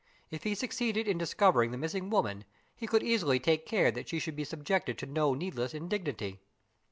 If he succeeded in discovering the missing woman, he could easily take care that she should be subjected to no needless indignity.